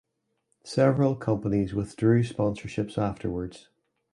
Several companies withdrew sponsorships afterwards.